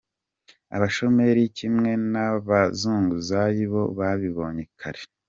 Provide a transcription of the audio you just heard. Abashomeri nkimwe nabazunguzayi bo babibonye kare.